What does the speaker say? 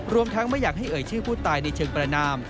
ทั้งไม่อยากให้เอ่ยชื่อผู้ตายในเชิงประนาม